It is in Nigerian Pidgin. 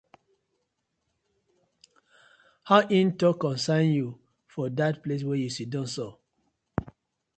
How e tak concern yu for dat place wey yu siddon so?